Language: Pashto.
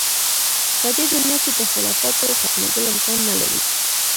په دې دنیا کې د اختلافاتو ختمېدل امکان نه لري.